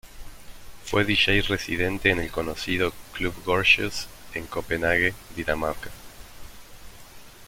Fue Dj residente en el conocido Club Gorgeous en Copenague, Dinamarca.